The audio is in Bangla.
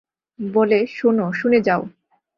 বলে, শোনো, শুনে যাও।